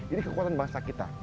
ini kekuatan bangsa kita